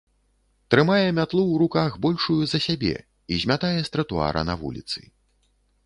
Трымае мятлу ў руках большую за сябе і змятае з тратуара на вуліцы.